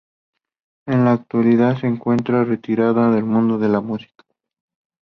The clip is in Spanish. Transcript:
En la actualidad se encuentra retirado del mundo de la música.